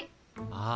ああ。